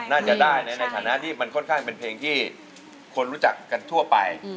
น่าจะได้ในฐานะที่มันค่อนข้างเป็นเพลงที่คนรู้จักกันทั่วไป